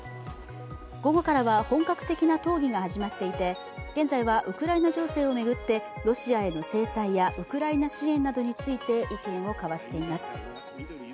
午後からは本格的な討議が始まっていて、現在はウクライナ情勢を巡ってロシアへの制裁やウクライナ支援などについて意見を交わしています。